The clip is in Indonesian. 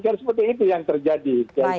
kan seperti itu yang terjadi